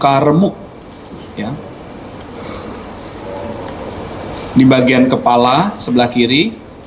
kemudian ditemukan luka remuk di bagian kepala sebelah kiri